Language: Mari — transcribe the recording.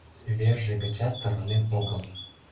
Верже гычат тарванен огыл.